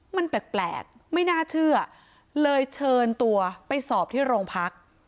มันแปลกไม่น่าเชื่อเลยเชิญตัวไปสอบที่โรงพัก